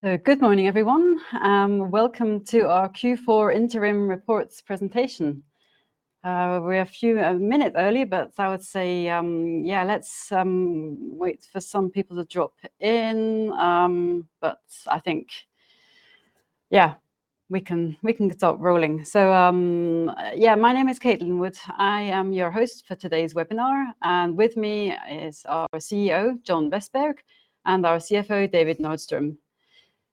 Good morning, everyone, welcome to our Q4 Interim Reports presentation. We're a few minutes early, but I would say, yeah, let's wait for some people to drop in. But I think, yeah, we can, we can start rolling. My name is Kate Linwood. I am your host for today's webinar, and with me is our CEO, John Vestberg, and our CFO, David Nordström.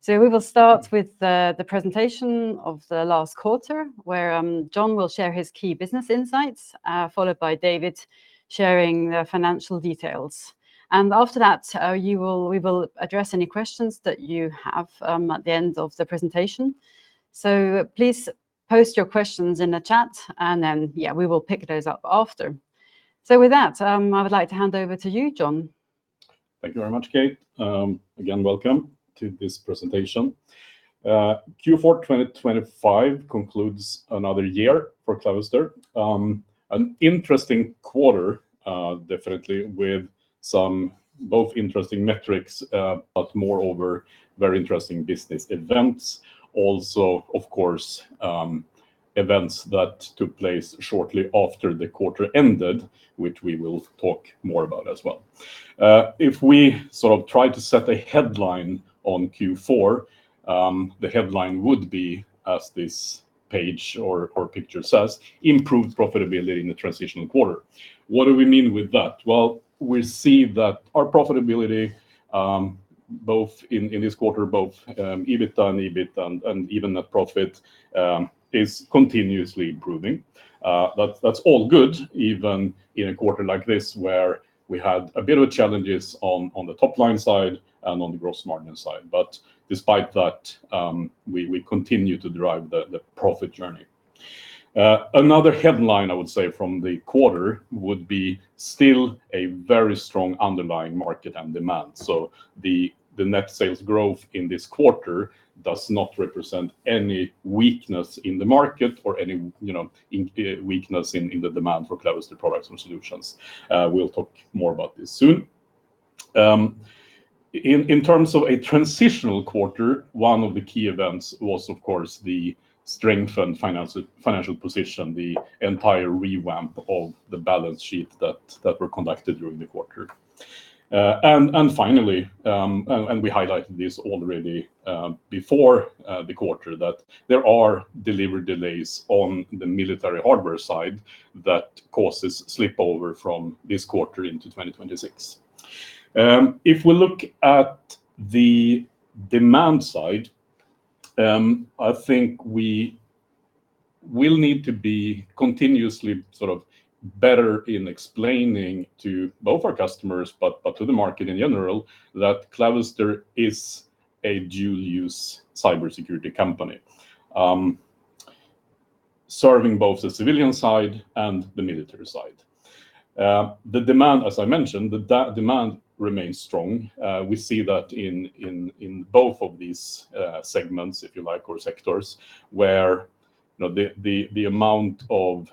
So we will start with the presentation of the last quarter, where John will share his key business insights, followed by David sharing the financial details. And after that, we will address any questions that you have at the end of the presentation. Please post your questions in the chat, and then, yeah, we will pick those up after. With that, I would like to hand over to you, John. Thank you very much, Kate. Again, welcome to this presentation. Q4 2025 concludes another year for Clavister. An interesting quarter, definitely with some both interesting metrics, but moreover, very interesting business events. Also, of course, events that took place shortly after the quarter ended, which we will talk more about as well. If we sort of try to set a headline on Q4, the headline would be, as this page or picture says, "Improved profitability in a transitional quarter." What do we mean with that? Well, we see that our profitability, both in this quarter, both, EBITDA and EBIT and even net profit, is continuously improving. That's all good, even in a quarter like this, where we had a bit of challenges on the top line side and on the gross margin side but despite that, we continue to drive the profit journey. Another headline I would say from the quarter would be still a very strong underlying market and demand. The net sales growth in this quarter does not represent any weakness in the market or any, you know, weakness in the demand for Clavister products and solutions. We'll talk more about this soon. In terms of a transitional quarter, one of the key events was, of course, the strengthened financial position, the entire revamp of the balance sheet that were conducted during the quarter. And finally, and we highlighted this already, before the quarter, that there are delivery delays on the military hardware side that causes slipover from this quarter into 2026. If we look at the demand side, I think we will need to be continuously, sort of, better in explaining to both our customers, but to the market in general, that Clavister is a dual-use cybersecurity company, serving both the civilian side and the military side. The demand, as I mentioned, demand remains strong. We see that in both of these segments, if you like, or sectors, where, you know, the amount of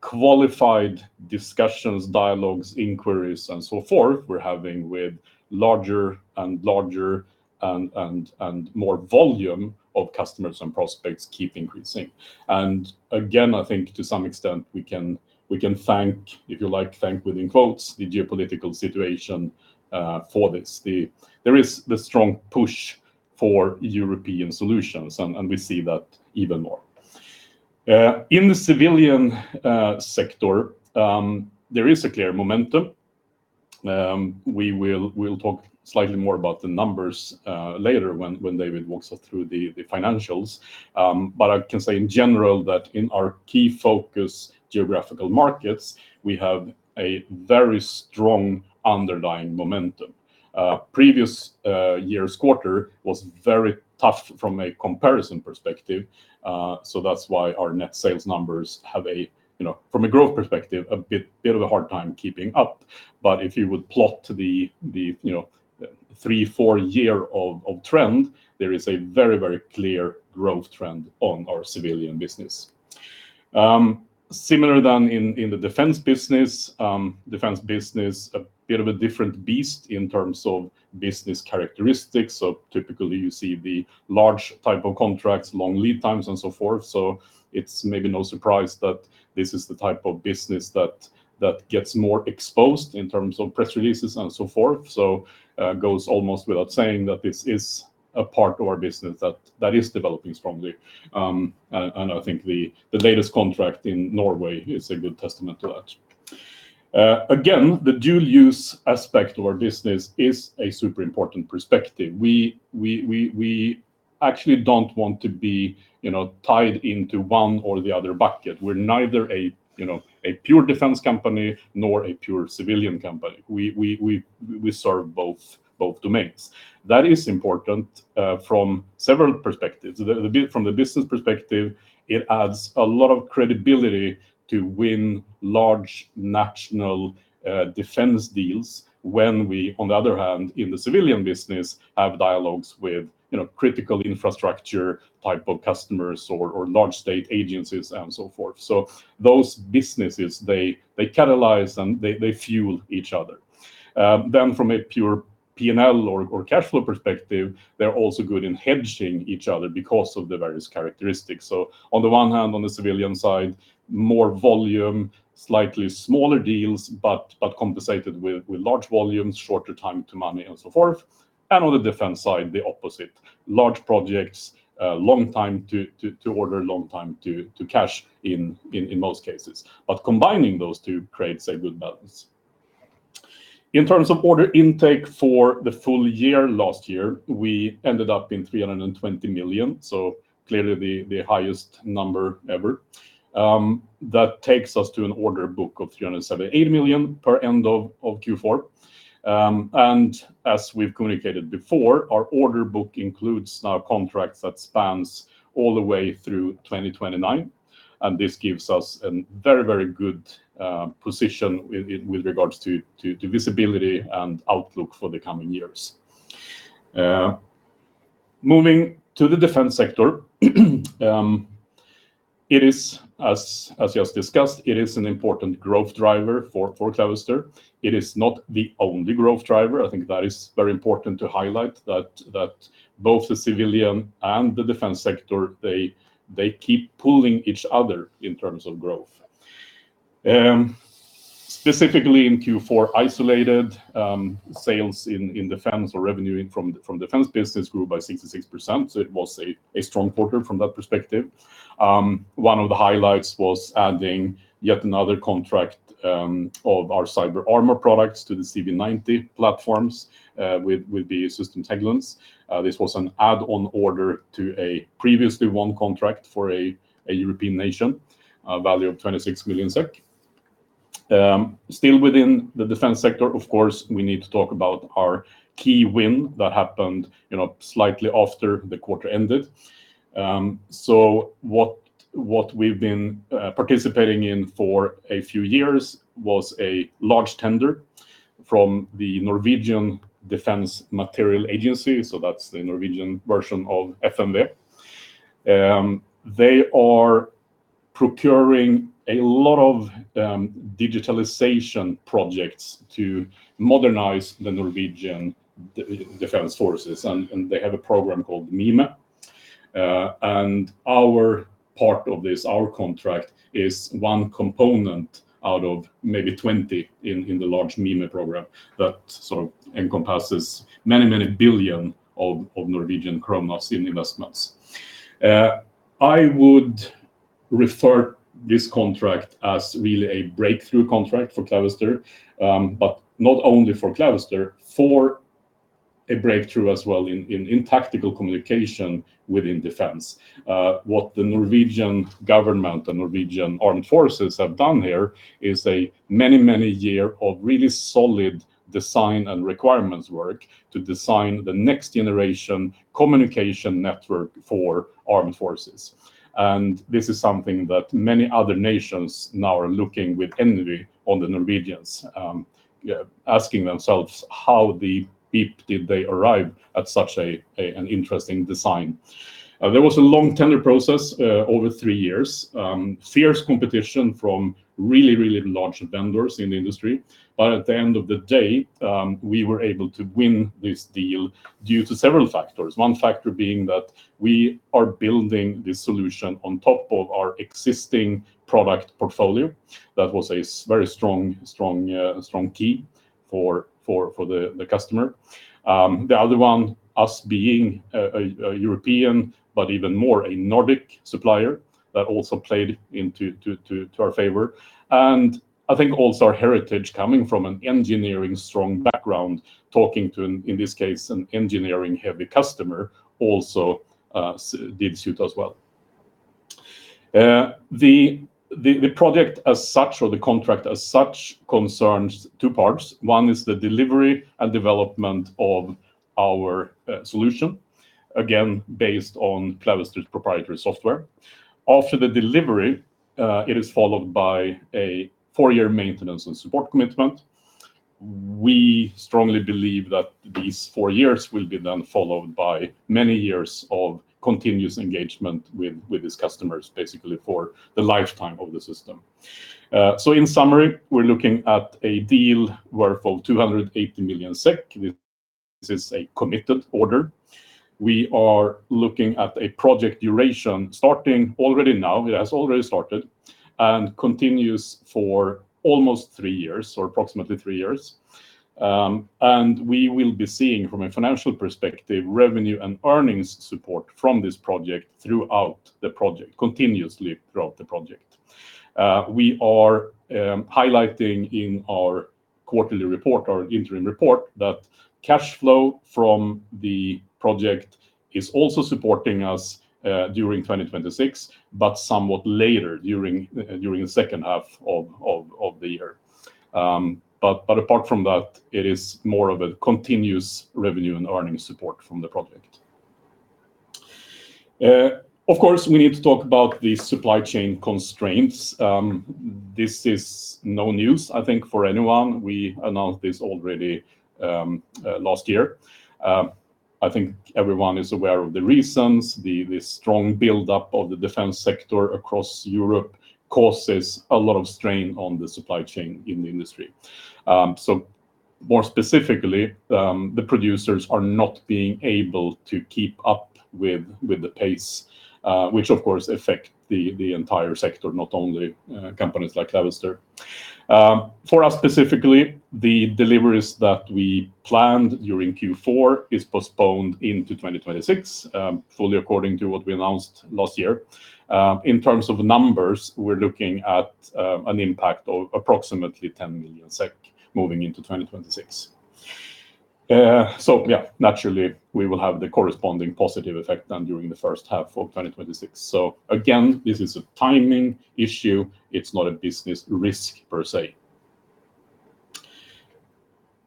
qualified discussions, dialogues, inquiries, and so forth, we're having with larger and larger and more volume of customers and prospects keep increasing. Again, I think to some extent, we can thank, if you like, thank within quotes, the geopolitical situation for this. There is the strong push for European solutions, and we see that even more. In the civilian sector, there is a clear momentum. We'll talk slightly more about the numbers later when David walks us through the financials. But I can say in general that in our key focus geographical markets, we have a very strong underlying momentum. Previous year's quarter was very tough from a comparison perspective, so that's why our net sales numbers have a, you know, from a growth perspective, a bit of a hard time keeping up. But if you would plot the, you know, three, four-year of trend, there is a very, very clear growth trend on our civilian business. Similar than in the defense business, a bit of a different beast in terms of business characteristics. So typically, you see the large type of contracts, long lead times, and so forth. It's maybe no surprise that this is the type of business that gets more exposed in terms of press releases and so forth. It goes almost without saying that this is a part of our business that is developing strongly. And I think the latest contract in Norway is a good testament to that. Again, the dual-use aspect of our business is a super important perspective. We actually don't want to be, you know, tied into one or the other bucket we're neither a, you know, a pure defense company, nor a pure civilian company we serve both domains. That is important from several perspectives from the business perspective, it adds a lot of credibility to win large national defense deals when we, on the other hand, in the civilian business, have dialogues with, you know, critical infrastructure type of customers or large state agencies, and so forth. Those businesses, they catalyze and they fuel each other. Then from a pure P&L or cash flow perspective, they're also good in hedging each other because of the various characteristics. On the one hand, on the civilian side, more volume, slightly smaller deals, but compensated with large volumes, shorter time to money, and so forth. And on the defense side, the opposite. Large projects, long time to order, long time to cash in, in most cases. But combining those two creates a good balance. In terms of order intake for the full year, last year, we ended up at 320 million, clearly the highest number ever. That takes us to an order book of 378 million per end of Q4. As we've communicated before, our order book includes now contracts that spans all the way through 2029, and this gives us a very, very good position with regards to visibility and outlook for the coming years. Moving to the defense sector, it is, as just discussed, it is an important growth driver for Clavister. It is not the only growth driver. I think that is very important to highlight, that both the civilian and the defense sector, they keep pulling each other in terms of growth. Specifically in Q4, isolated, sales in defense or revenue in from defense business grew by 66%, so it was a strong quarter from that perspective. One of the highlights was adding yet another contract of our CyberArmour products to the CV90 platforms with BAE Systems Hägglunds. This was an add-on order to a previously won contract for a European nation, value of 26 million SEK. Still within the defense sector, of course, we need to talk about our key win that happened, you know, slightly after the quarter ended. What we've been participating in for a few years was a large tender from the Norwegian Defense Materiel Agency, so that's the Norwegian version of FMV. They are procuring a lot of digitalization projects to modernize the Norwegian Defense Forces, and they have a program called Mime. Our part of this, our contract, is one component out of maybe 20 in the large Mime program that sort of encompasses many billion NOK in investments. I would refer this contract as really a breakthrough contract for Clavister, but not only for Clavister, for a breakthrough as well in tactical communication within defense. What the Norwegian government, the Norwegian Armed Forces, have done here is a many, many year of really solid design and requirements work to design the next generation communication network for armed forces. This is something that many other nations now are looking with envy on the Norwegians, asking themselves, how the heck did they arrive at such an interesting design. There was a long tender process over three years. Fierce competition from really, really large vendors in the industry. But at the end of the day, we were able to win this deal due to several factors one factor being that we are building this solution on top of our existing product portfolio. That was a very strong key for the customer. The other one, us being a European, but even more a Nordic supplier, that also played into our favor. I think also our heritage coming from an engineering-strong background, talking to, in this case, an engineering-heavy customer, also did suit us well. The project as such, or the contract as such, concerns two parts. One is the delivery and development of our solution. Again, based on Clavister's proprietary software. After the delivery, it is followed by a four-year maintenance and support commitment. We strongly believe that these four years will be then followed by many years of continuous engagement with these customers, basically for the lifetime of the system. In summary, we're looking at a deal worth 280 million SEK. This is a committed order. We are looking at a project duration starting already now, it has already started, and continues for almost three years, or approximately three years. We will be seeing, from a financial perspective, revenue and earnings support from this project throughout the project, continuously throughout the project. We are highlighting in our quarterly report, our interim report, that cash flow from the project is also supporting us during 2026, but somewhat later during the second half of the year. But apart from that, it is more of a continuous revenue and earnings support from the project. Of course, we need to talk about the supply chain constraints. This is no news, I think, for anyone. We announced this already last year. I think everyone is aware of the reasons. The strong buildup of the defense sector across Europe causes a lot of strain on the supply chain in the industry. More specifically, the producers are not being able to keep up with the pace, which of course affect the entire sector, not only companies like Clavister. For us, specifically, the deliveries that we planned during Q4 is postponed into 2026, fully according to what we announced last year. In terms of numbers, we're looking at an impact of approximately 10 million SEK moving into 2026. So naturally, we will have the corresponding positive effect done during the first half of 2026. Again, this is a timing issue. It's not a business risk, per se.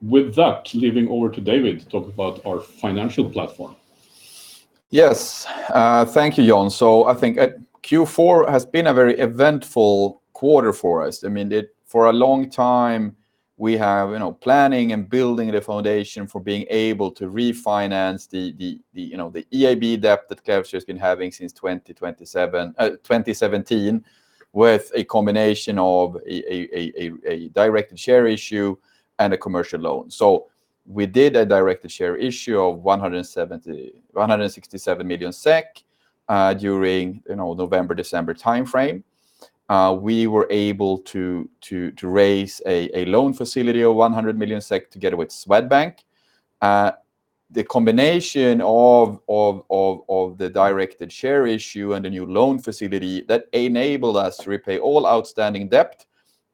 With that, leaving over to David to talk about our financial platform. Yes, thank you, John. I think Q4 has been a very eventful quarter for us i mean, for a long time, we have, you know, planning and building the foundation for being able to refinance the, you know, the EIB debt that Clavister has been having since 2027, 2017, with a combination of a directed share issue and a commercial loan. We did a directed share issue of 167 million SEK, during, you know, November, December timeframe. Uh, we were able to raise a loan facility of 100 million SEK together with Swedbank. The combination of the directed share issue and the new loan facility, that enabled us to repay all outstanding debt,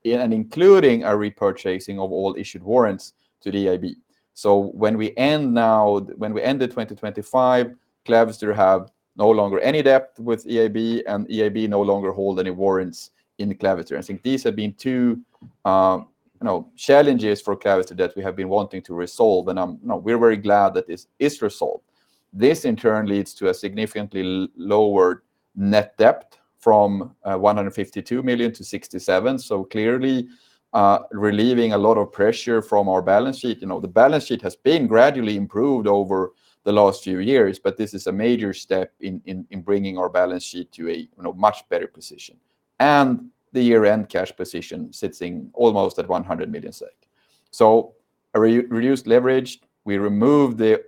including a repurchasing of all issued warrants to the EIB. When we end now, when we end 2025, Clavister have no longer any debt with EIB, and EIB no longer hold any warrants in Clavister i think these have been two, you know, challenges for Clavister that we have been wanting to resolve, and, you know, we're very glad that this is resolved. This, in turn, leads to a significantly lower net debt from 152 to 67 million. Clearly, relieving a lot of pressure from our balance sheet. You know, the balance sheet has been gradually improved over the last few years, but this is a major step in bringing our balance sheet to a you know much better position. The year-end cash position sitting almost at 100 million SEK. A reduced leverage, we removed the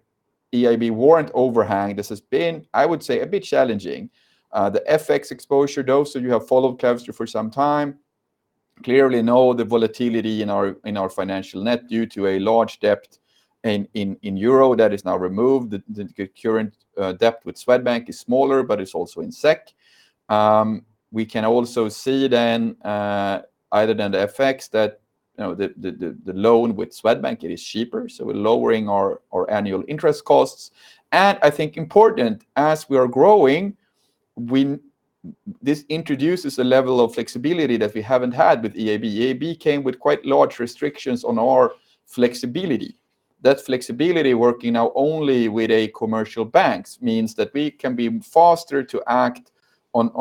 EIB warrant overhang. This has been, I would say, a bit challenging. The FX exposure, those of you who have followed Clavister for some time, clearly know the volatility in our financial net due to a large debt in euro that is now removed. The current debt with Swedbank is smaller, but it's also in SEK. We can also see then other than the effects that you know the loan with Swedbank, it is cheaper, so we're lowering our annual interest costs. I think important, as we are growing, this introduces a level of flexibility that we haven't had with EIB. EIB came with quite large restrictions on our flexibility. That flexibility, working now only with a commercial banks, means that we can be faster to act on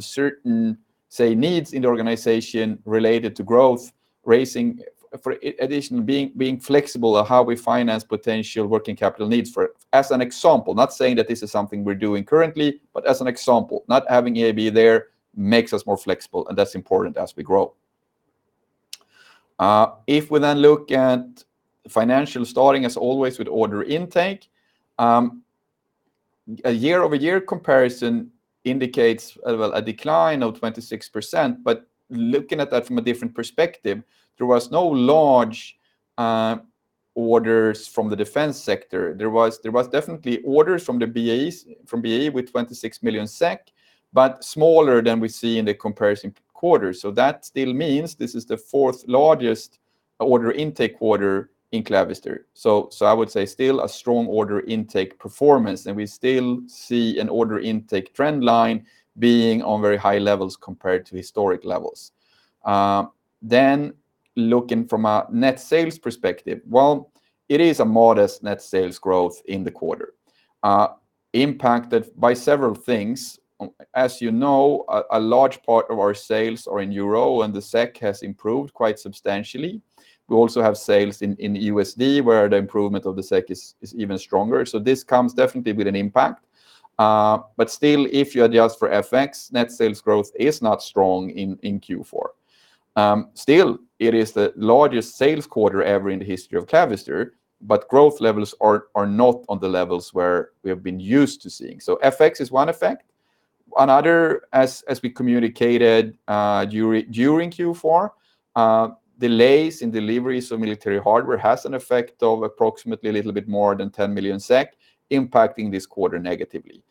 certain, say, needs in the organization related to growth, raising. For addition, being flexible on how we finance potential working capital needs—as an example, not saying that this is something we're doing currently, but as an example, not having EIB there makes us more flexible, and that's important as we grow. If we then look at financial, starting as always with order intake, a year-over-year comparison indicates, well, a decline of 26%, but looking at that from a different perspective, there was no large orders from the defense sector. There was definitely orders from the BAs, from BA with 26 million SEK, but smaller than we see in the comparison quarter so that still means this is the 4th largest order intake order in Clavister. I would say still a strong order intake performance, and we still see an order intake trend line being on very high levels compared to historic levels. Then looking from a net sales perspective, well, it is a modest net sales growth in the quarter, impacted by several things. As you know, a large part of our sales are in euro, and the SEK has improved quite substantially. We also have sales in USD, where the improvement of the SEK is even stronger s so this comes definitely with an impact. But still, if you adjust for FX, net sales growth is not strong in Q4. Still, it is the largest sales quarter ever in the history of Clavister, but growth levels are not on the levels where we have been used to seeing so FX is one effect. Another, as we communicated during Q4, delays in deliveries of military hardware has an effect of approximately a little bit more than 10 million SEK, impacting this quarter negatively.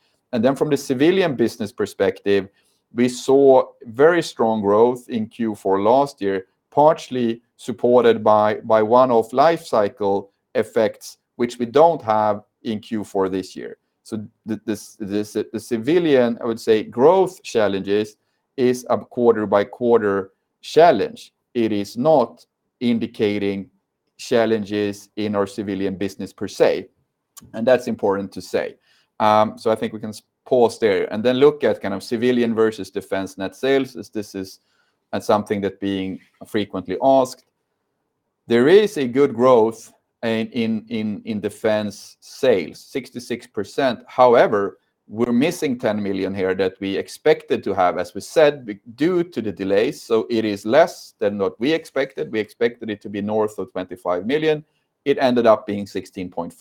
From the civilian business perspective, we saw very strong growth in Q4 last year, partially supported by one of life cycle effects, which we don't have in Q4 this year. The civilian, I would say, growth challenges is a quarter-by-quarter challenge. It is not indicating challenges in our civilian business per se, and that's important to say. So I think we can pause there and then look at kind of civilian versus defense net sales, as this is something that being frequently asked. There is a good growth in defense sales, 66%. However, we're missing 10 million here that we expected to have, as we said, due to the delays, so it is less than what we expected we expected it to be north of 25 million. It ended up being 16.4 million.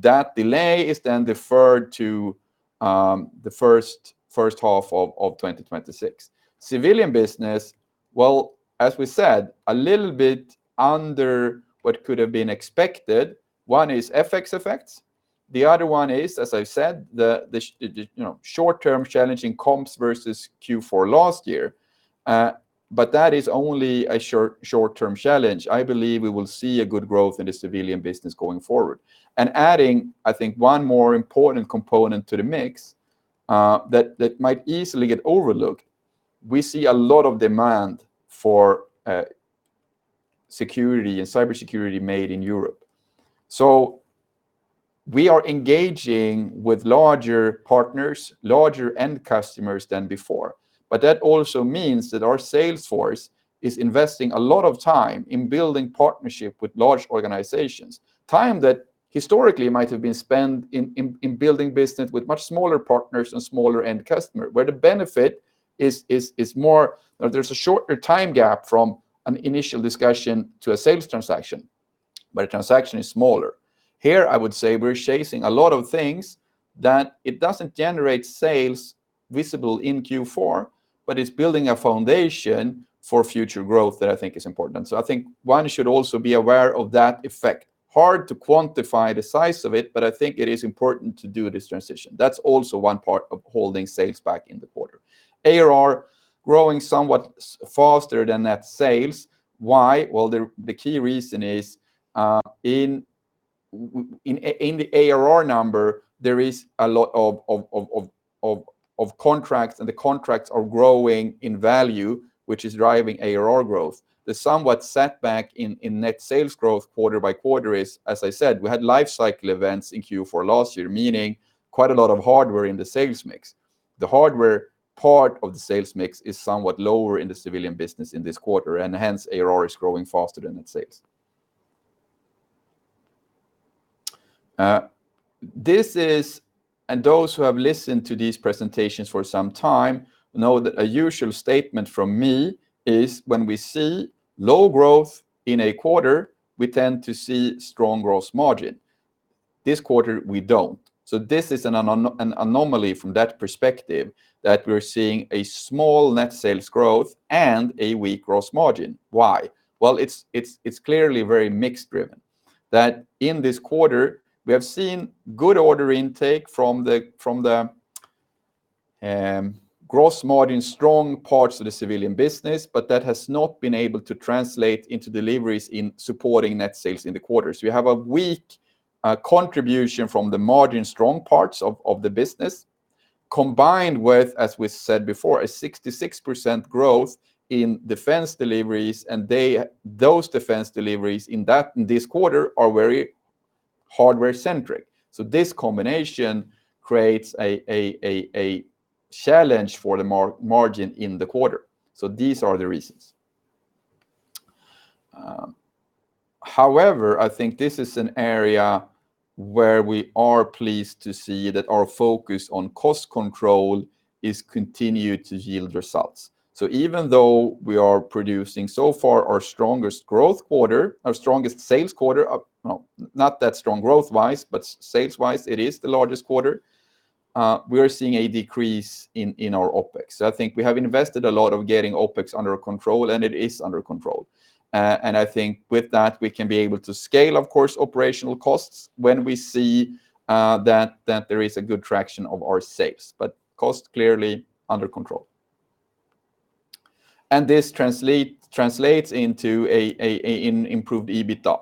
That delay is then deferred to the first half of 2026. Civilian business, well, as we said, a little bit under what could have been expected. One is FX effects, the other one is, as I said, the short-term challenging comps versus Q4 last year, but that is only a short-term challenge. I believe we will see a good growth in the civilian business going forward. And adding, I think, one more important component to the mix, that might easily get overlooked. We see a lot of demand for security and cybersecurity made in Europe. We are engaging with larger partners, larger end customers than before. But that also means that our sales force is investing a lot of time in building partnership with large organizations. Time that historically might have been spent in building business with much smaller partners and smaller end customer, where the benefit is, there's a shorter time gap from an initial discussion to a sales transaction, but a transaction is smaller. Here, I would say we're chasing a lot of things that it doesn't generate sales visible in Q4, but it's building a foundation for future growth that I think is important so I think one should also be aware of that effect. Hard to quantify the size of it, but I think it is important to do this transition. That's also one part of holding sales back in the quarter. ARR growing somewhat faster than net sales. Why? Well, the key reason is in the ARR number, there is a lot of contracts, and the contracts are growing in value, which is driving ARR growth. The somewhat setback in net sales growth quarter-by-quarter is, as I said, we had life cycle events in Q4 last year, meaning quite a lot of hardware in the sales mix. The hardware part of the sales mix is somewhat lower in the civilian business in this quarter, and hence, ARR is growing faster than its sales. This is, and those who have listened to these presentations for some time, know that a usual statement from me is when we see low growth in a quarter, we tend to see strong growth margin. This quarter, we don't. So this is an anomaly from that perspective, that we're seeing a small net sales growth and a weak growth margin why? Well, it's clearly very mixed driven. That in this quarter, we have seen good order intake from the growth margin, strong parts of the civilian business, but that has not been able to translate into deliveries in supporting net sales in the quarter. So we have a weak contribution from the margin, strong parts of the business, combined with, as we said before, a 66% growth in defense deliveries, and those defense deliveries in this quarter are very hardware-centric. So this combination creates a challenge for the margin in the quarter. So these are the reasons. However, I think this is an area where we are pleased to see that our focus on cost control is continued to yield results. So even though we are producing so far our strongest growth quarter, our strongest sales quarter, well, not that strong growth-wise, but sales-wise, it is the largest quarter, we are seeing a decrease in our OpEx. So I think we have invested a lot of getting OpEx under control, and it is under control. I think with that, we can be able to scale, of course, operational costs when we see that there is a good traction of our sales, but cost clearly under control. And this translates into an improved EBITDA.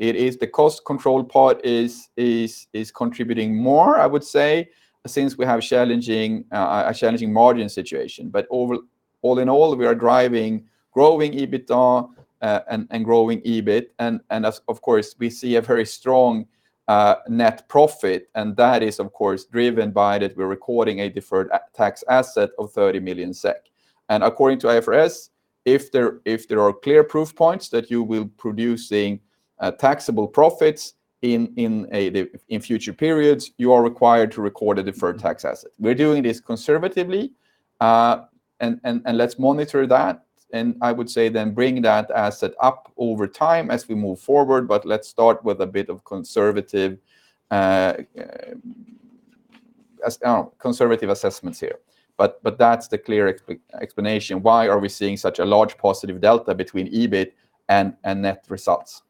It is the cost control part is contributing more, I would say, since we have a challenging margin situation but overall in all, we are driving growing EBITDA and growing EBIT, and of course, we see a very strong net profit, and that is, of course, driven by that we're recording a deferred tax asset of 30 million SEK. According to IFRS, if there are clear proof points that you will producing taxable profits in future periods, you are required to record a deferred tax asset we're doing this conservatively, and let's monitor that, and I would say then bring that asset up over time as we move forward, but let's start with a bit of conservative assessments here. But that's the clear explanation, why are we seeing such a large positive delta between EBIT and net results?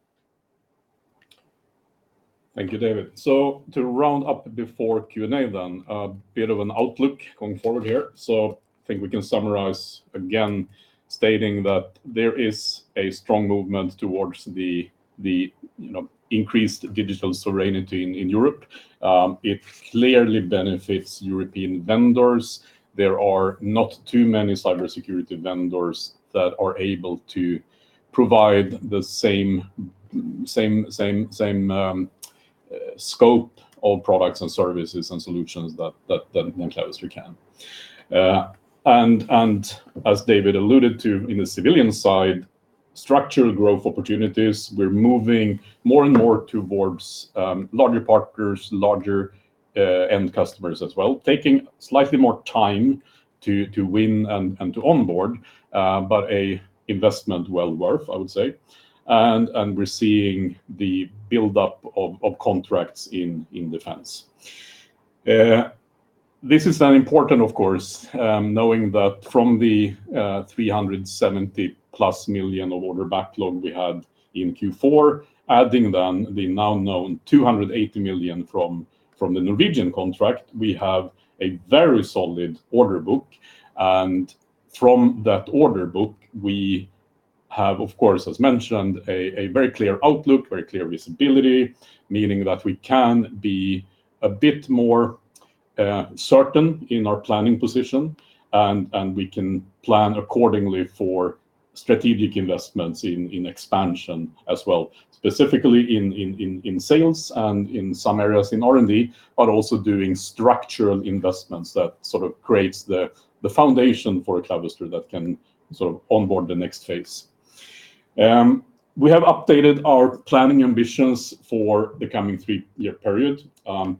Thank you, David. To round up before Q&A then, a bit of an outlook going forward here. I think we can summarize again, stating that there is a strong movement towards the you know increased digital sovereignty in Europe. It clearly benefits European vendors. There are not too many cybersecurity vendors that are able to provide the same scope of products and services and solutions that Clavister can. As David alluded to in the civilian side, structural growth opportunities, we're moving more and more towards larger partners, larger end customers as well, taking slightly more time to win and to onboard, but an investment well worth, I would say. And we're seeing the build-up of contracts in defense. This is then important, of course, knowing that from the 370+ million of order backlog we had in Q4, adding then the now known 280 million from the Norwegian contract, we have a very solid order book. From that order book, we have, of course, as mentioned, a very clear outlook, very clear visibility, meaning that we can be a bit more certain in our planning position, and we can plan accordingly for strategic investments in expansion as well, specifically in sales and in some areas in R&D, but also doing structural investments that sort of creates the foundation for a Clavister that can sort of onboard the next phase. We have updated our planning ambitions for the coming three-year period.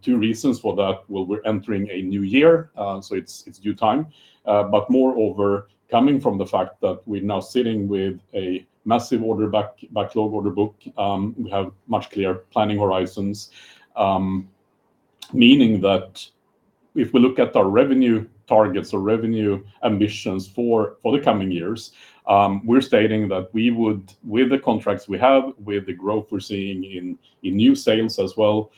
Two reasons for that. Well, we're entering a new year, so it's due time. But moreover, coming from the fact that we're now sitting with a massive order backlog order book, we have much clearer planning horizons, meaning that if we look at our revenue targets or revenue ambitions for the coming years, we're stating that we would, with the contracts we have, with the growth we're seeing in new sales as well,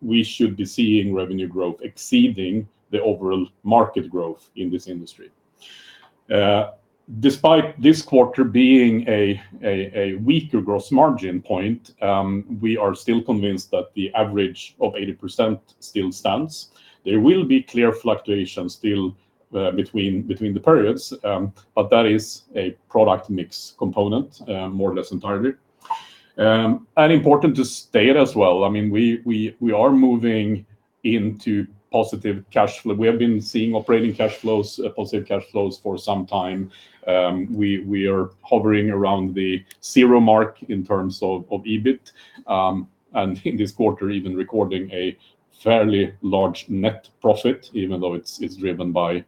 we should be seeing revenue growth exceeding the overall market growth in this industry. Despite this quarter being a weaker gross margin point, we are still convinced that the average of 80% still stands. There will be clear fluctuations still between the periods, but that is a product mix component, more or less entirely. And important to state as well, I mean, we are moving into positive cash flow we have been seeing operating cash flows, positive cash flows for some time. We are hovering around the zero mark in terms of EBIT, and in this quarter, even recording a fairly large net profit, even though it's driven by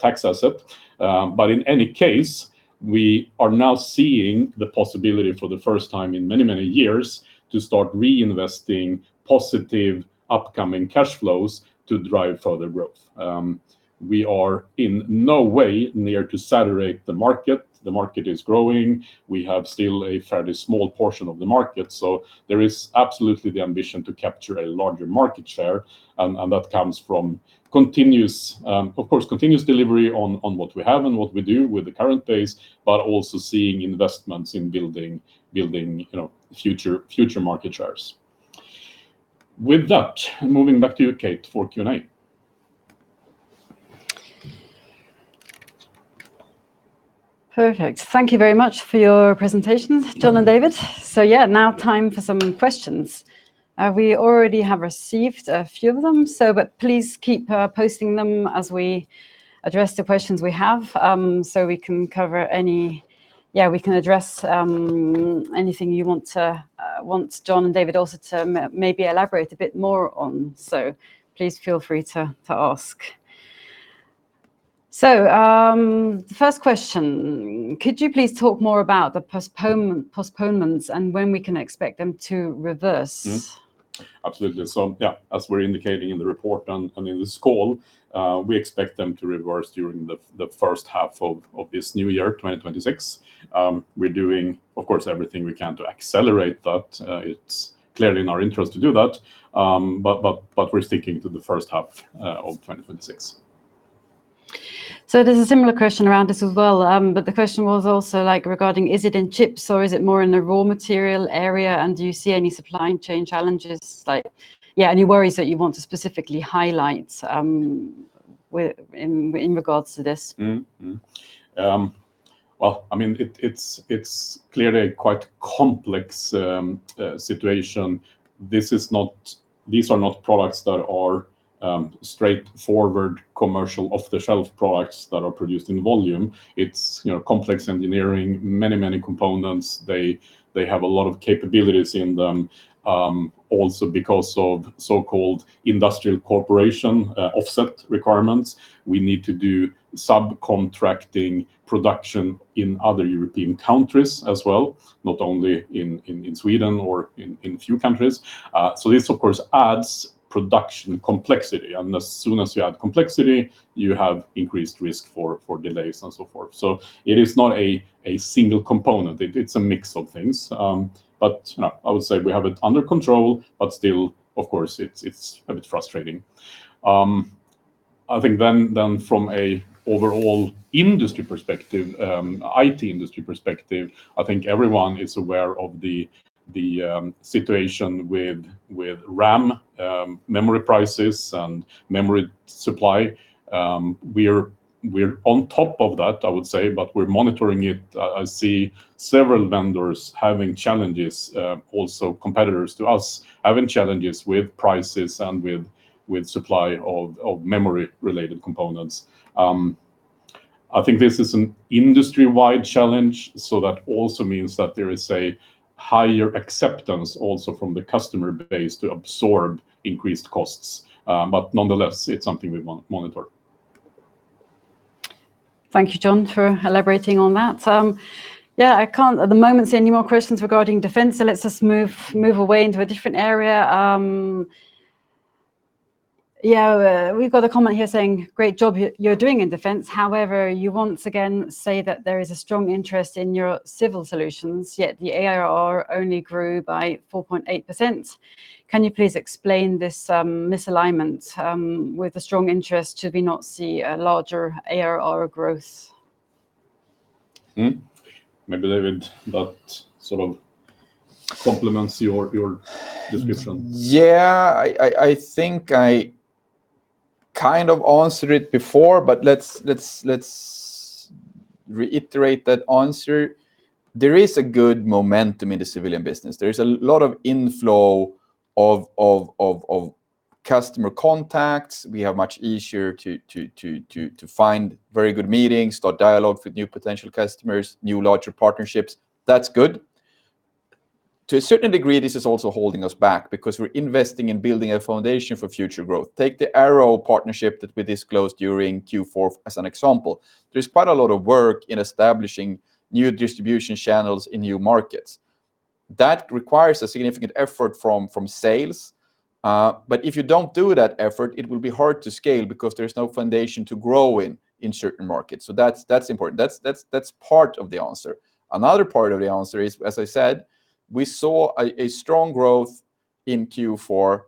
tax asset. But in any case, we are now seeing the possibility for the first time in many, many years to start reinvesting positive upcoming cash flows to drive further growth. We are in no way near to saturate the market. The market is growing. We have still a fairly small portion of the market, so there is absolutely the ambition to capture a larger market share, and that comes from continuous, of course, continuous delivery on what we have and what we do with the current base, but also seeing investments in building, you know, future market shares. With that, moving back to you Kate, for Q&A. Perfect. Thank you very much for your presentation, John and David. Now time for some questions. We already have received a few of them, so but please keep posting them as we address the questions we have, so we can cover any... Yeah, we can address anything you want to want John and David also to maybe elaborate a bit more on. So please feel free to ask. First question. Could you please talk more about the postponement, postponements and when we can expect them to reverse? Absolutely. Yeah, as we're indicating in the report and in this call, we expect them to reverse during the first half of this new year, 2026. We're doing, of course, everything we can to accelerate that. It's clearly in our interest to do that, but we're sticking to the first half of 2026. There's a similar question around this as well, but the question was also, like, regarding is it in chips, or is it more in the raw material area, and do you see any supply chain challenges? Like, yeah, any worries that you want to specifically highlight, in regards to this? I mean, it's clearly a quite complex situation. These are not products that are straightforward commercial off-the-shelf products that are produced in volume. It's, you know, complex engineering, many, many components. They have a lot of capabilities in them, also because of so-called industrial corporation offset requirements. We need to do subcontracting production in other European countries as well, not only in Sweden or in few countries. So this, of course, adds production complexity, and as soon as you add complexity, you have increased risk for delays, and so forth. It is not a single component, it's a mix of things. But no, I would say we have it under control, but still, of course, it's a bit frustrating. I think then from an overall industry perspective, IT industry perspective, I think everyone is aware of the situation with RAM memory prices and memory supply. We're on top of that, I would say, but we're monitoring it. I see several vendors having challenges, also competitors to us, having challenges with prices and with supply of memory-related components. I think this is an industry-wide challenge, so that also means that there is a higher acceptance also from the customer base to absorb increased costs. But nonetheless, it's something we monitor. Thank you, John, for elaborating on that. Yeah, I can't at the moment see any more questions regarding defense, so let's just move away into a different area. Yeah, we've got a comment here saying, "Great job you're doing in defense. However, you once again say that there is a strong interest in your civil solutions, yet the ARR only grew by 4.8%. Can you please explain this misalignment with a strong interest? Should we not see a larger ARR growth? Maybe David, that sort of complements your, your description. Yeah, I think I kind of answered it before, but let's reiterate that answer. There is a good momentum in the civilian business there is a lot of inflow of customer contacts we are much easier to find very good meetings, start dialogue with new potential customers, new larger partnerships. That's good. To a certain degree, this is also holding us back because we're investing in building a foundation for future growth. Take the Arrow partnership that we disclosed during Q4 as an example. There's quite a lot of work in establishing new distribution channels in new markets. That requires a significant effort from sales, but if you don't do that effort, it will be hard to scale because there's no foundation to grow in certain markets. So that's important. That's part of the answer. Another part of the answer is, as I said, we saw a strong growth in Q4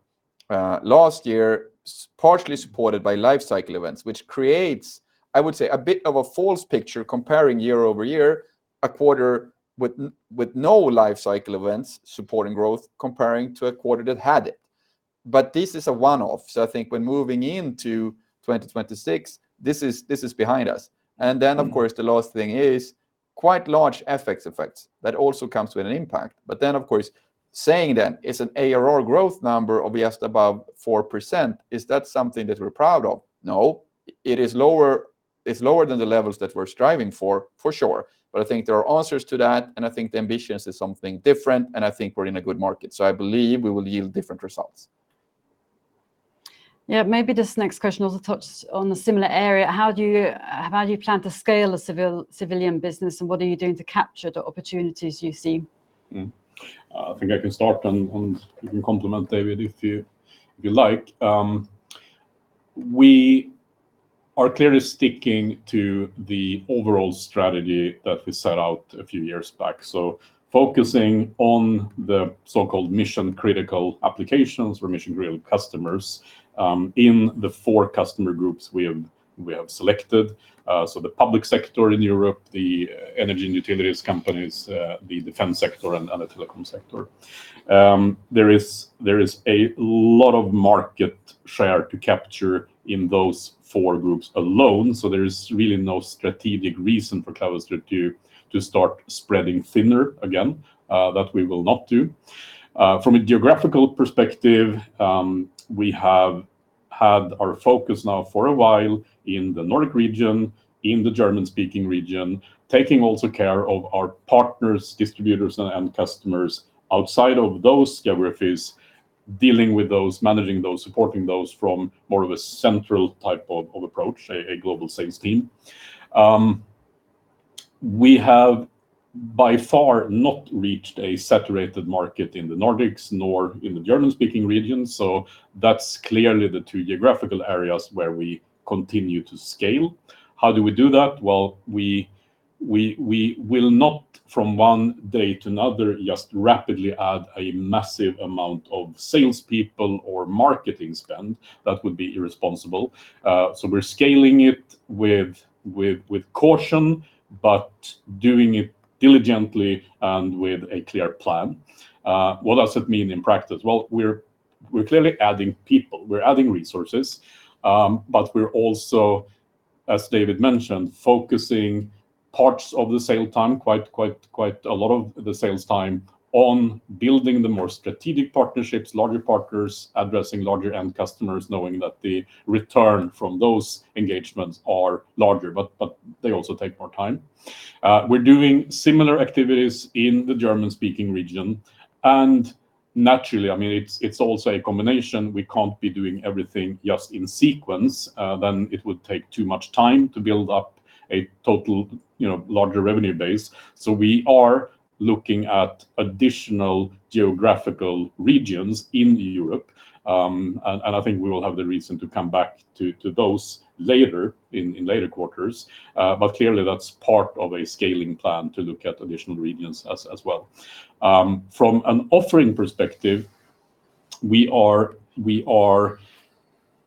last year, partially supported by life cycle events, which creates, I would say, a bit of a false picture comparing year over year, a quarter with no life cycle events supporting growth, comparing to a quarter that had it. But this is a one-off, so I think when moving into 2026, this is behind us. And then, of course, the last thing is quite large FX effects that also comes with an impact. But then, of course, saying that it's an ARR growth number of just above 4%, is that something that we're proud of? No, it is lower, it's lower than the levels that we're striving for, for sure. I think there are answers to that, and I think the ambitions is something different, and I think we're in a good market, so I believe we will yield different results. Yeah, maybe this next question also touched on a similar area. How do you how do you plan to scale a civilian business, and what are you doing to capture the opportunities you see? I think I can start, and you can complement, David, if you like. We are clearly sticking to the overall strategy that we set out a few years back. Focusing on the so-called mission-critical applications for mission-critical customers, in the four customer groups we have selected. So the public sector in Europe, the energy and utilities companies, the defense sector, and the telecom sector. There is a lot of market share to capture in those four groups alone, so there is really no strategic reason for Clavister to start spreading thinner again, that we will not do. From a geographical perspective, we have had our focus now for a while in the Nordic region, in the German-speaking region, taking also care of our partners, distributors, and customers outside of those geographies, dealing with those, managing those, supporting those from more of a central type of approach, a global sales team. We have by far not reached a saturated market in the Nordics, nor in the German-speaking region, that's clearly the two geographical areas where we continue to scale. How do we do that? Well, we will not, from one day to another, just rapidly add a massive amount of salespeople or marketing spend. That would be irresponsible. So we're scaling it with caution, but doing it diligently and with a clear plan. What does it mean in practice? Well, we're clearly adding people, we're adding resources, but we're also as David mentioned, focusing parts of the sales time, quite a lot of the sales time on building the more strategic partnerships, larger partners, addressing larger end customers, knowing that the return from those engagements are larger, but they also take more time. We're doing similar activities in the German-speaking region, and naturally, I mean, it's also a combination we can't be doing everything just in sequence, then it would take too much time to build up a total, you know, larger revenue base. So we are looking at additional geographical regions in Europe, and I think we will have the reason to come back to those later, in later quarters. But clearly that's part of a scaling plan to look at additional regions as well. From an offering perspective, we are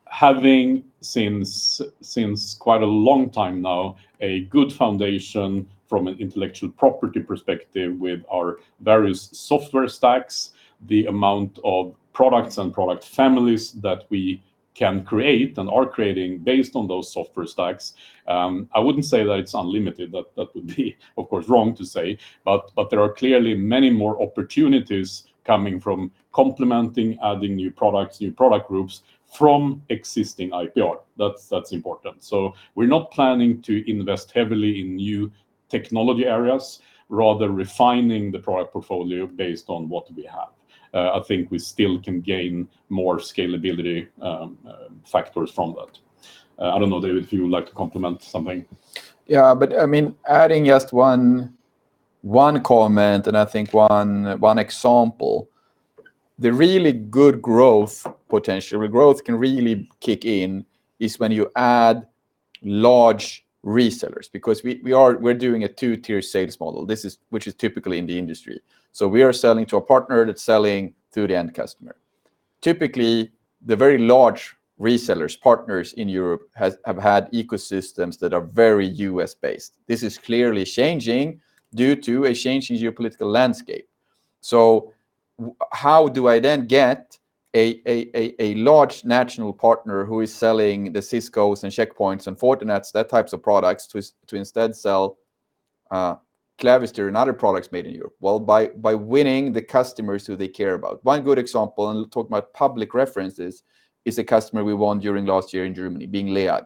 having since quite a long time now, a good foundation from an intellectual property perspective with our various software stacks, the amount of products and product families that we can create and are creating based on those software stacks. I wouldn't say that it's unlimited, that would be, of course, wrong to say, but there are clearly many more opportunities coming from complementing, adding new products, new product groups from existing IPR. That's important. We're not planning to invest heavily in new technology areas, rather refining the product portfolio based on what we have. I think we still can gain more scalability factors from that. I don't know, David, if you would like to comment something. Yeah, but I mean, adding just one comment, and I think one example, the really good growth potential, where growth can really kick in, is when you add large resellers, because we're doing a two-tier sales model this is which is typically in the industry. So we are selling to a partner that's selling to the end customer. Typically, the very large resellers, partners in Europe, have had ecosystems that are very US-based. This is clearly changing due to a changing geopolitical landscape. How do I then get a large national partner who is selling the Ciscos and Check Points and Fortinets, that types of products, to instead sell Clavister and other products made in Europe? Well, by winning the customers who they care about. One good example, and we'll talk about public references, is a customer we won during last year in Germany, being LEAG.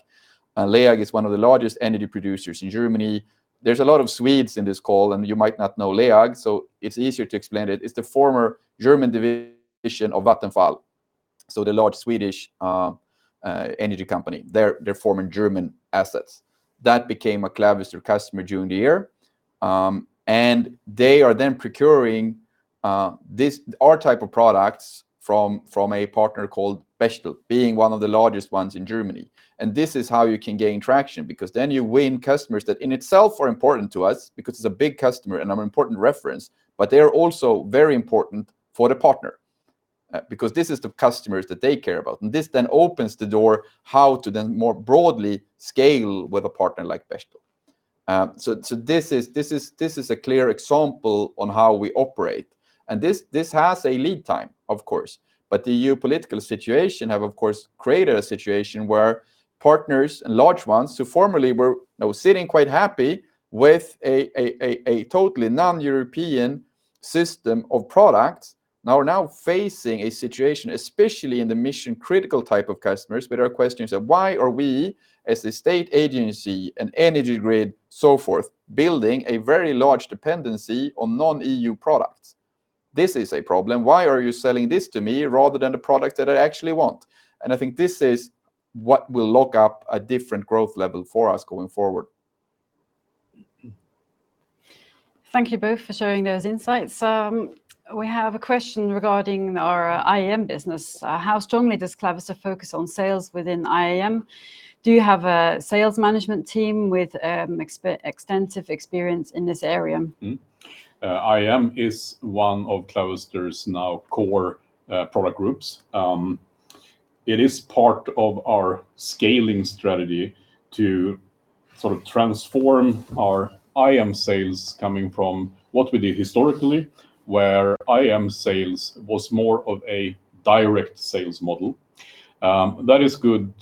LEAG is one of the largest energy producers in Germany. There's a lot of Swedes in this call, and you might not know LEAG, so it's easier to explain it. It's the former German division of Vattenfall, so the large Swedish energy company their former German assets. That became a Clavister customer during the year. They are then procuring our type of products from a partner called Bechtle, being one of the largest ones in Germany. This is how you can gain traction, because then you win customers that in itself are important to us, because it's a big customer and an important reference, but they are also very important for the partner, because this is the customers that they care about and this then opens the door, how to then more broadly scale with a partner like Bechtle. This is a clear example on how we operate, and this has a lead time, of course. The geopolitical situation have, of course, created a situation where partners and large ones, who formerly were, you know, sitting quite happy with a totally non-European system of products, are now facing a situation, especially in the mission-critical type of customers, but are questioning, say, "Why are we, as a state agency, an energy grid, so forth, building a very large dependency on non-EU products? This is a problem why are you selling this to me rather than the product that I actually want?" I think this is what will lock up a different growth level for us going forward. Thank you both for sharing those insights. We have a question regarding our IAM business. How strongly does Clavister focus on sales within IAM? Do you have a sales management team with extensive experience in this area? IAM is one of Clavister's now core product groups. It is part of our scaling strategy to sort of transform our IAM sales coming from what we did historically, where IAM sales was more of a direct sales model. That is good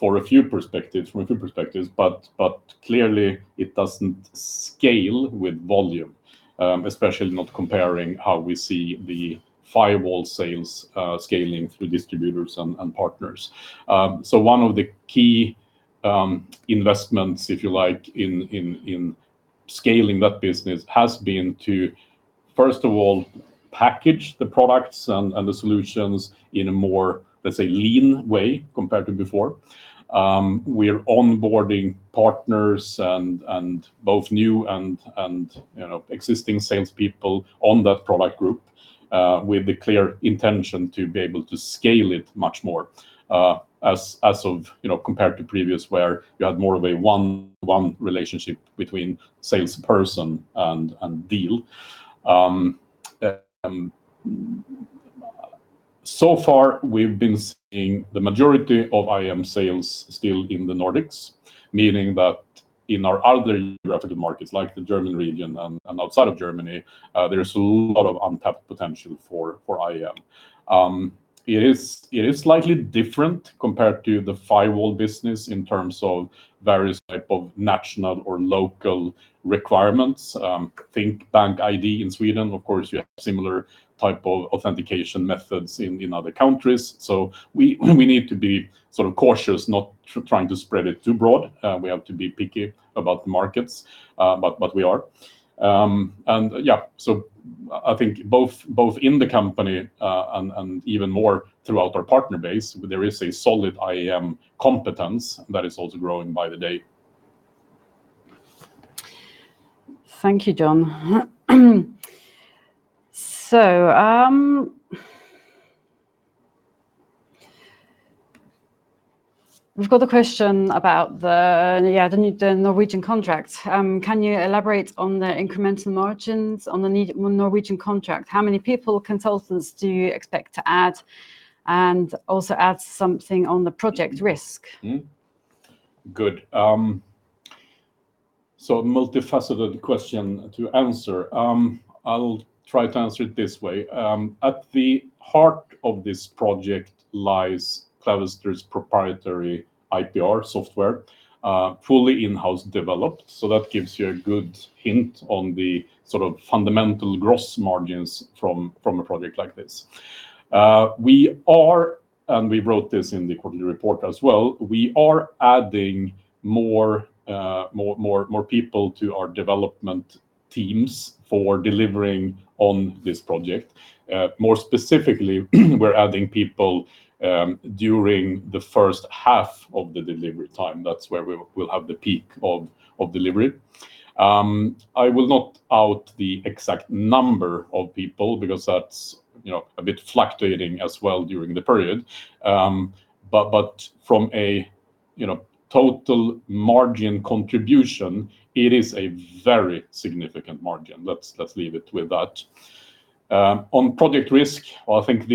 for a few perspectives, but clearly, it doesn't scale with volume. Especially not comparing how we see the firewall sales scaling through distributors and partners. So one of the key investments, if you like, in scaling that business has been to, first of all, package the products and the solutions in a more, let's say, lean way compared to before. We're onboarding partners and both new and, you know, existing salespeople on that product group, with the clear intention to be able to scale it much more, you know, compared to previous, where you had more of a one-on-one relationship between salesperson and deal. So far, we've been seeing the majority of IAM sales still in the Nordics, meaning that in our other European markets, like the German region and outside of Germany, there's a lot of untapped potential for IAM. It is slightly different compared to the firewall business in terms of various type of national or local requirements. Think BankID in Sweden, of course, you have similar type of authentication methods in other countries. We need to be sort of cautious not to trying to spread it too broad. We have to be picky about the markets, but we are. And yeah, so I think both in the company and even more throughout our partner base, there is a solid IAM competence that is also growing by the day. Thank you, John. We've got a question about the Norwegian contract. Can you elaborate on the incremental margins on the Norwegian contract? How many people, consultants, do you expect to add, and also add something on the project risk? Good. A multifaceted question to answer. I'll try to answer it this way. At the heart of this project lies Clavister's proprietary IPR software, fully in-house developed, so that gives you a good hint on the sort of fundamental gross margins from a project like this. We are, and we wrote this in the quarterly report as well, we are adding more, more, more people to our development teams for delivering on this project. More specifically, we're adding people during the first half of the delivery time that's where we will have the peak of delivery. I will not out the exact number of people because that's, you know, a bit fluctuating as well during the period. But from a, you know, total margin contribution, it is a very significant margin let's leave it with that. On project risk, I think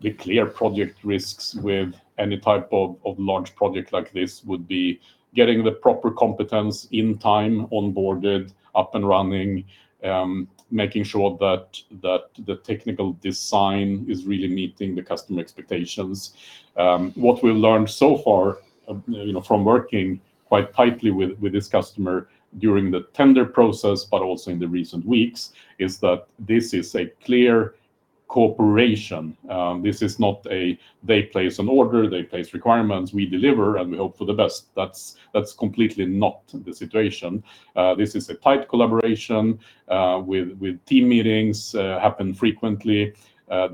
the clear project risks with any type of large project like this would be getting the proper competence in time, onboarded, up and running. Making sure that the technical design is really meeting the customer expectations. What we've learned so far, you know, from working quite tightly with this customer during the tender process, but also in the recent weeks, is that this is a clear cooperation. This is not a, they place an order, they place requirements, we deliver, and we hope for the best that's completely not the situation. This is a tight collaboration with team meetings happen frequently,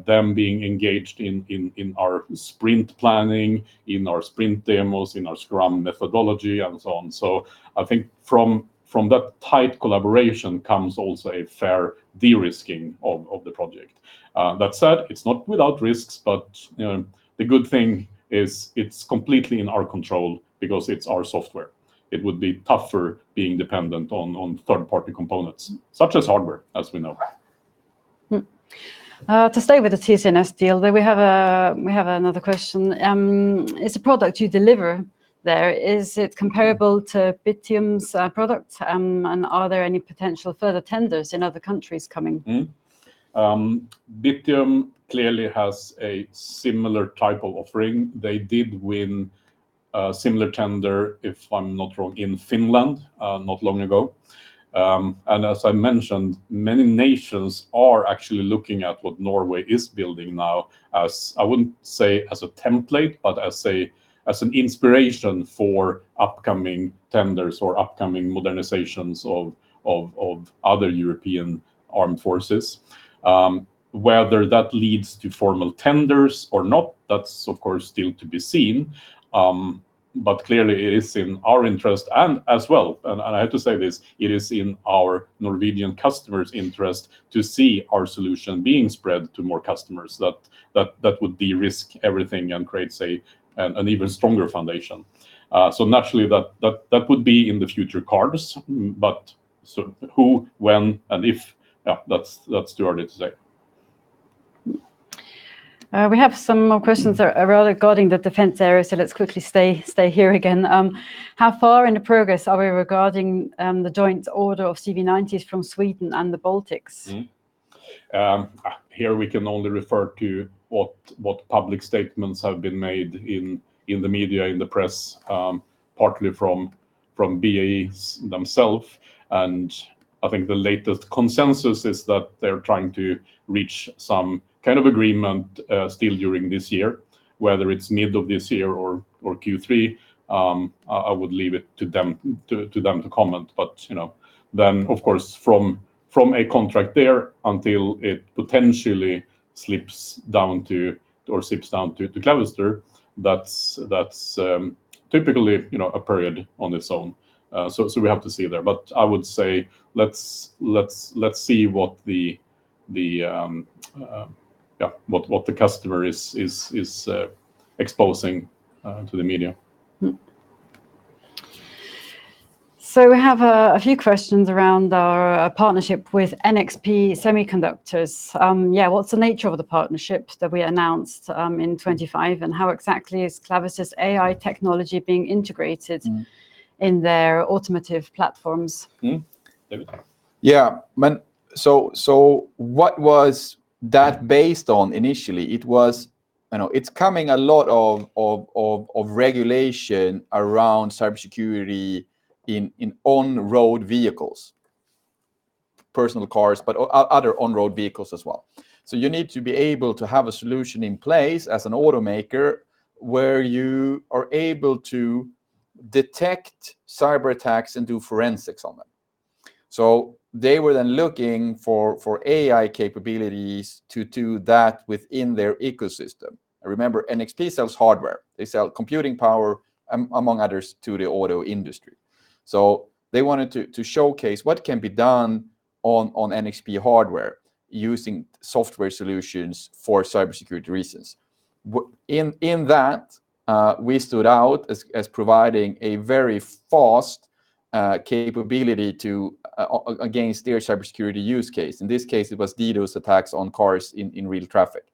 them being engaged in our sprint planning, in our sprint demos, in our Scrum methodology, and so on. I think from that tight collaboration comes also a fair de-risking of the project. That said, it's not without risks, but you know, the good thing is it's completely in our control because it's our software. It would be tougher being dependent on third-party components, such as hardware, as we know. To stay with the TSNS deal, then we have another question. Is the product you deliver there, is it comparable to Bittium's product? And are there any potential further tenders in other countries coming? Bittium clearly has a similar type of offering. They did win a similar tender, if I'm not wrong, in Finland, not long ago. As I mentioned, many nations are actually looking at what Norway is building now, as I wouldn't say as a template, but as an inspiration for upcoming tenders or upcoming modernizations of other European armed forces. Whether that leads to formal tenders or not, that's of course still to be seen. But clearly it is in our interest, and as well, and I have to say this, it is in our Norwegian customer's interest to see our solution being spread to more customers, that would de-risk everything and create, say, an even stronger foundation. So naturally, that would be in the future cards, but so who, when, and if, yeah, that's too early to say. We have some more questions that are regarding the defense area, so let's quickly stay here again. How far in the progress are we regarding the joint order of CV90s from Sweden and the Baltics? Here we can only refer to what public statements have been made in the media, in the press, partly from BAE themselves. I think the latest consensus is that they're trying to reach some kind of agreement still during this year. Whether it's mid of this year or Q3, I would leave it to them to comment but you know, then of course, from a contract there until it potentially slips down to Clavister, that's typically you know, a period on its own. So we have to see there but I would say, let's see what the customer is exposing to the media. We have a few questions around our partnership with NXP Semiconductors. Yeah, what's the nature of the partnerships that we announced in 2025, and how exactly is Clavister's AI technology being integrated in their automotive platforms? Mm. David? Yeah. What was that based on initially? It was, you know, it's coming a lot of regulation around cybersecurity in on-road vehicles, personal cars, but other on-road vehicles as well. So you need to be able to have a solution in place as an automaker, where you are able to detect cyber attacks and do forensics on them. They were then looking for AI capabilities to that within their ecosystem. Remember, NXP sells hardware. They sell computing power among others to the auto industry. They wanted to showcase what can be done on NXP hardware using software solutions for cybersecurity reasons. In that, we stood out as providing a very fast capability to against their cybersecurity use case in this case, it was DDoS attacks on cars in real traffic.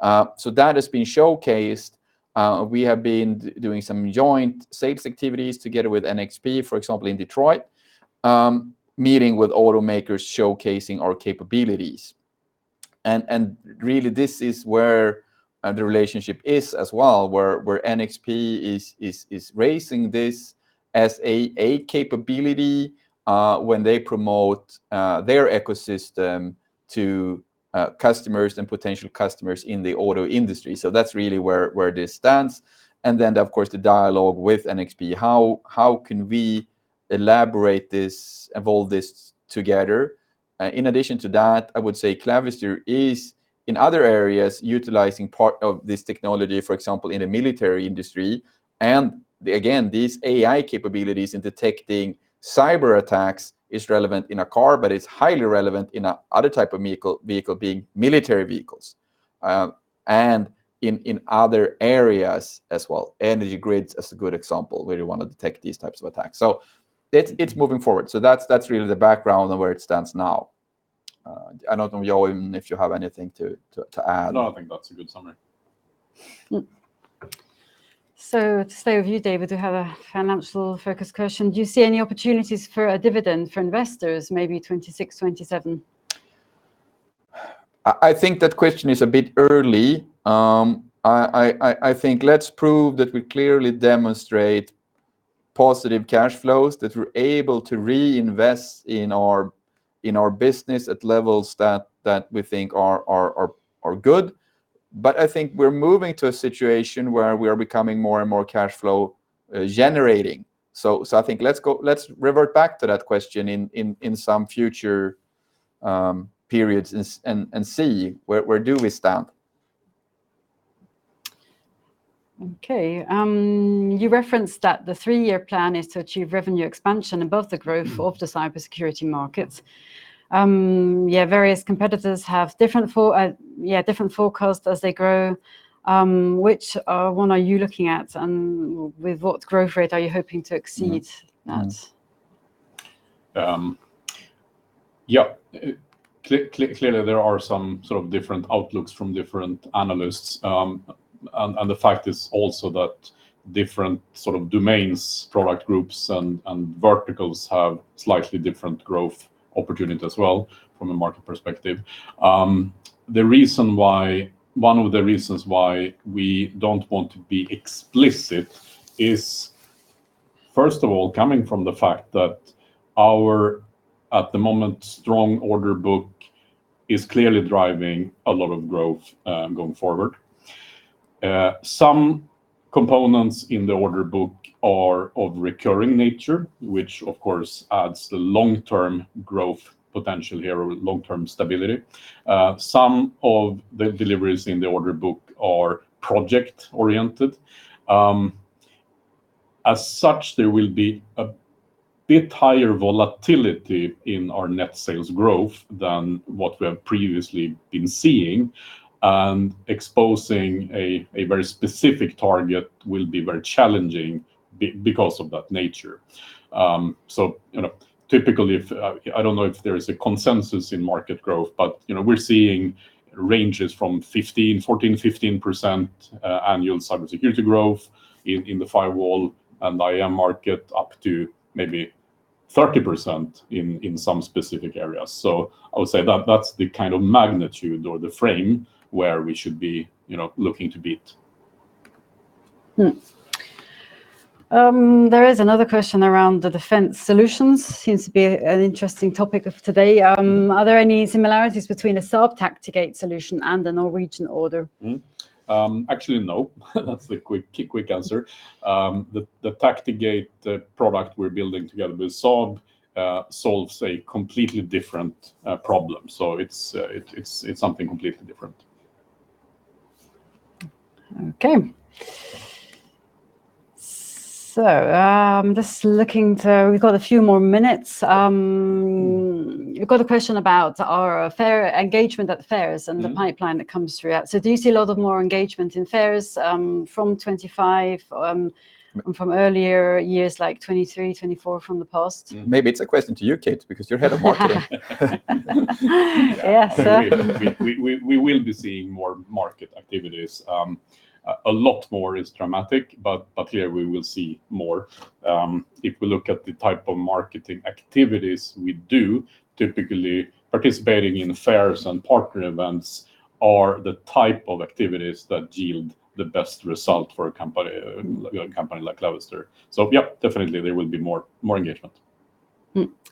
That has been showcased. We have been doing some joint sales activities together with NXP, for example, in Detroit, meeting with automakers, showcasing our capabilities. And really, this is where the relationship is as well, where NXP is raising this as a capability when they promote their ecosystem to customers and potential customers in the auto industry. So that's really where this stands, and then, of course, the dialogue with NXP. How can we elaborate this, evolve this together? In addition to that, I would say Clavister is, in other areas, utilizing part of this technology, for example, in the military industry. Again, these AI capabilities in detecting cyber attacks is relevant in a car, but it's highly relevant in another type of vehicle, being military vehicles, and in other areas as well. Energy grids is a good example where you wanna detect these types of attacks. It's moving forward so that's really the background on where it stands now. I don't know, John, if you have anything to add. No, I think that's a good summary. To stay with you, David, we have a financial focus question do you see any opportunities for a dividend for investors, maybe 2026, 2027? I think that question is a bit early. I think let's prove that we clearly demonstrate positive cash flows, that we're able to reinvest in our business at levels that we think are good. But I think we're moving to a situation where we are becoming more and more cashflow generating. So I think let's revert back to that question in some future periods and see where we stand? Okay. You referenced that the three-year plan is to achieve revenue expansion above the growth of the cybersecurity markets. Various competitors have different forecasts as they grow. Which one are you looking at, and with what growth rate are you hoping to exceed that? Clearly, there are some sort of different outlooks from different analysts. The fact is also that different sort of domains, product groups, and verticals have slightly different growth opportunity as well from a market perspective. The reason why... One of the reasons why we don't want to be explicit is, first of all, coming from the fact that our, at the moment, strong order book is clearly driving a lot of growth going forward. Some components in the order book are of recurring nature, which of course adds the long-term growth potential here or long-term stability. Some of the deliveries in the order book are project-oriented. As such, there will be a bit higher volatility in our net sales growth than what we have previously been seeing, and exposing a very specific target will be very challenging because of that nature. You know, typically, if I don't know if there is a consensus in market growth, but, you know, we're seeing ranges from 15%, 14%, 15% annual cybersecurity growth in the firewall and IAM market, up to maybe 30% in some specific areas. I would say that's the kind of magnitude or the frame where we should be, you know, looking to beat. There is another question around the defense solutions. Seems to be an interesting topic of today. Are there any similarities between a Saab TactiGate solution and the Norwegian order? Actually, no. That's the quick, quick answer. The TactiGate, the product we're building together with Saab, solves a completely different problem. It's something completely different. Okay. Just looking to... We've got a few more minutes. We've got a question about our fair, engagement at the fairs and the pipeline that comes through that so do you see a lot more engagement in fairs from 2025, from earlier years, like 2023, 2024, from the past? Maybe it's a question to you, Kate, because you're head of marketing. Yeah. We will be seeing more market activities. A lot more is dramatic, but yeah, we will see more. If we look at the type of marketing activities we do, typically participating in fairs and partner events are the type of activities that yield the best result for a company, a company like Clavister. So yep, definitely there will be more, more engagement.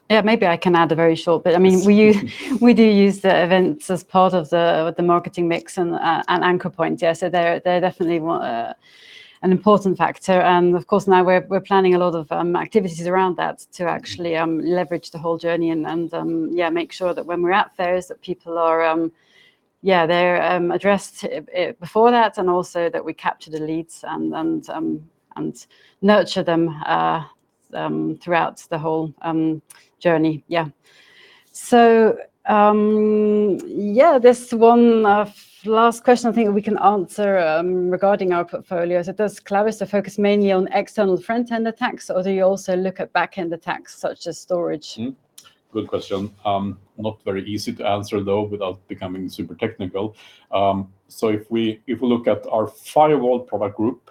Yeah, maybe I can add a very short bit. I mean, we do use the events as part of the marketing mix and an anchor point. Yeah, so they're definitely an important factor. And of course, now we're planning a lot of activities around that to actually leverage the whole journey. Yeah, make sure that when we're at fairs, that people are addressed before that, and also that we capture the leads and nurture them throughout the whole journey. Yeah. So yeah, there's one last question I think we can answer regarding our portfolios. Does Clavister focus mainly on external front-end attacks, or do you also look at back-end attacks such as storage? Good question. Not very easy to answer though, without becoming super technical. So if we look at our firewall product group,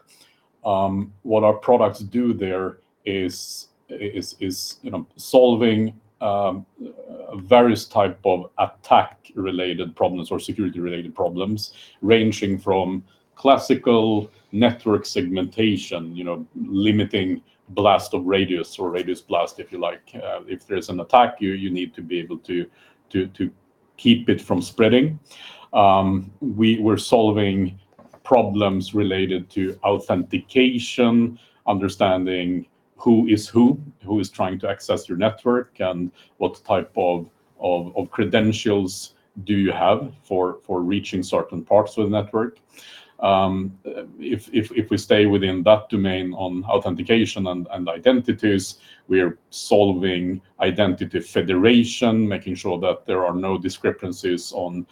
what our products do there is, you know, solving various type of attack-related problems or security-related problems, ranging from classical network segmentation, you know, limiting blast of radius or radius blast, if you like. If there's an attack, you need to be able to keep it from spreading. We're solving problems related to authentication, understanding who is who, who is trying to access your network, and what type of credentials do you have for reaching certain parts of the network. If we stay within that domain on authentication and identities, we're solving identity federation, making sure that there are no discrepancies on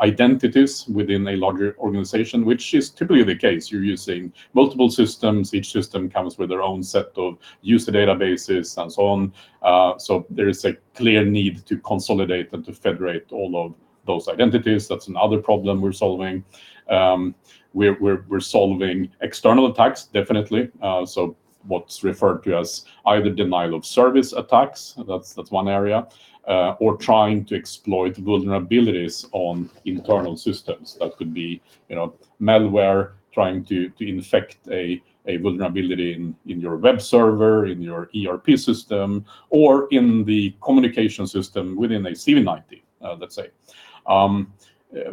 identities within a larger organization, which is typically the case you're using multiple systems. Each system comes with their own set of user databases and so on. There is a clear need to consolidate and to federate all of those identities. That's another problem we're solving. We're solving external attacks, definitely. What's referred to as either denial of service attacks, that's one area, or trying to exploit vulnerabilities on internal systems that could be, you know, malware trying to infect a vulnerability in your web server, in your ERP system, or in the communication system within a CV90, let's say.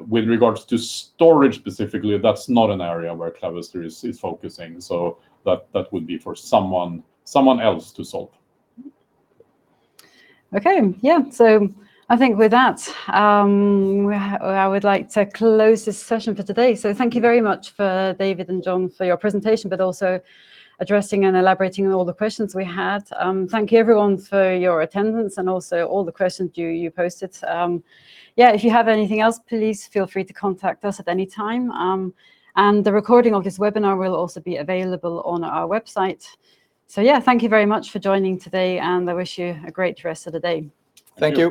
With regards to storage specifically, that's not an area where Clavister is focusing, so that would be for someone else to solve. Okay. Yeah, I think with that, I would like to close this session for today so thank you very much for David and John for your presentation, but also addressing and elaborating on all the questions we had. Thank you everyone for your attendance and also all the questions you posted. Yeah, if you have anything else, please feel free to contact us at any time. And the recording of this webinar will also be available on our website. So yeah, thank you very much for joining today, and I wish you a great rest of the day. Thank you.